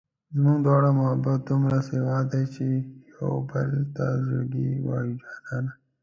زموږ دواړو محبت دومره سېوا دی چې و يوبل ته زړګی وایو جانانه